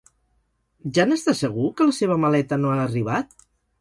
Ja n'està segur que la seva maleta no ha arribat?